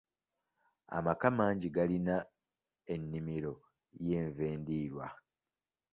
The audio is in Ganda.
Amaka mangi galina ennimiro y'enva endiirwa.